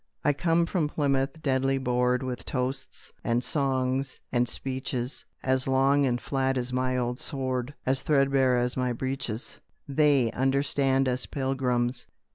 "I come from Plymouth, deadly bored With toasts, and songs, and speeches, As long and flat as my old sword, As threadbare as my breeches: They understand us Pilgrims!